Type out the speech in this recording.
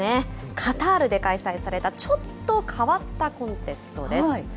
カタールで開催されたちょっと変わったコンテストです。